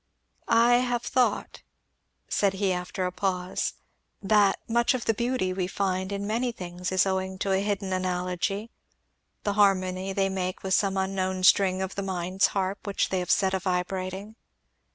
"I have thought," said he after a pause, "that much of the beauty we find in many things is owing to a hidden analogy the harmony they make with some unknown string of the mind's harp which they have set a vibrating.